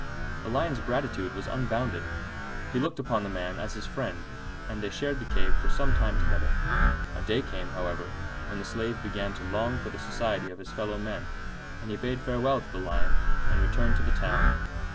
The Lion's gratitude was unbounded; he looked upon the man as his friend, and they shared the cave for some time together. A day came, however, when the Slave began to long for the society of his fellow men, and he bade farewell to the Lion and returned to the town.